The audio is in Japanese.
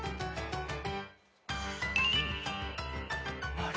あれ？